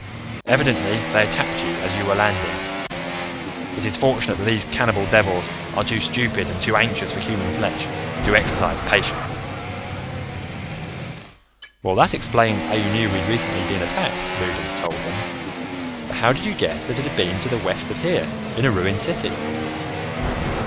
Evidently, they attacked you as you were landing. It is fortunate that these cannibal devils are too stupid and too anxious for human flesh to exercise patience." "Well, that explains how you knew that we'd recently been attacked," Loudons told him. "But how did you guess that it had been to the west of here, in a ruined city?"